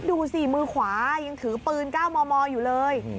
ดูสิมือขวายังถือปืน๙มมอยู่เลย